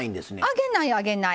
揚げない揚げない。